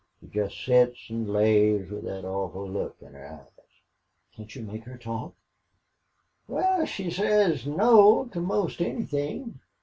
She jest sits or lays with that awful look in her eyes." "Can't you make her talk?" "Wal, she'll say no to 'most anythin'.